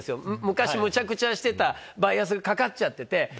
昔むちゃくちゃしてたバイアスがかかっちゃってて。